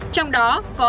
trong đó có